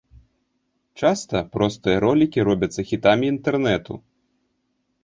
Часта простыя ролікі робяцца хітамі інтэрнэту.